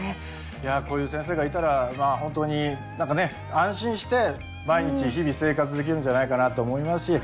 いやこういう先生がいたら本当に何かね安心して毎日日々生活できるんじゃないかなと思いますし。